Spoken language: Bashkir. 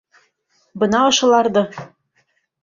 Бына ошоларҙы!